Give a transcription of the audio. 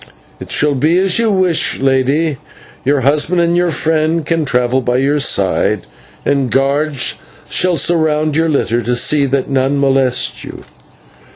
"It shall be as you wish, Lady. Your husband and your friend can travel by your side, and guards shall surround your litter to see that none molest you."